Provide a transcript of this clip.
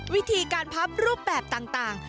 วิธีการพับรูปแบบต่าง